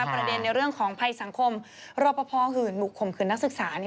ประเด็นในเรื่องของภัยสังคมรอปภหืนบุกขมขืนนักศึกษานี้